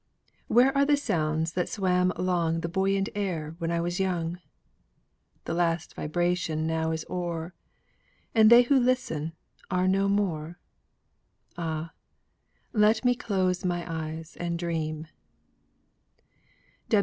"Where are the sounds that swam along The buoyant air when I was young; The last vibration now is o'er, And they who listened are no more; Ah! let me close my eyes and dream."